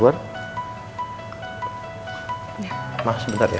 papa ngobrol sebentar sama al